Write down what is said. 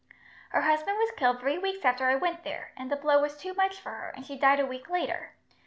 "Her husband was killed three weeks after I went there, and the blow was too much for her, and she died a week later.